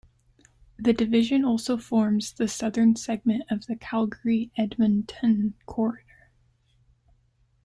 The division also forms the southern segment of the Calgary-Edmonton Corridor.